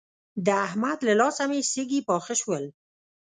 د احمد له لاسه مې سږي پاخه شول.